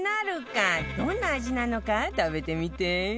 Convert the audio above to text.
どんな味なのか食べてみて